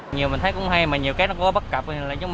nhiều mình thấy cũng hay mà nhiều cái nó có bất cập